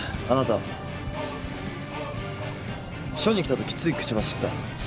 あなた署に来たときつい口走った。